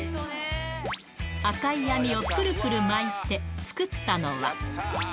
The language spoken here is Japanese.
赤い網をくるくる巻いて作ったのは。